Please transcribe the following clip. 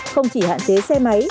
không chỉ hạn chế xe máy